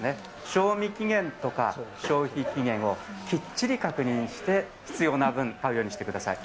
賞味期限とか消費期限をきっちり確認して必要な分、買うようにしてください。